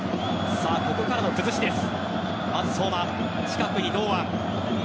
ここからの崩しです。